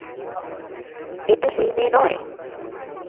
এ তো সেই মেয়ে নয়।